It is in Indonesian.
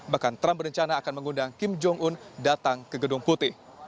bahkan trump berencana akan mengundang kim jong un datang ke gedung putih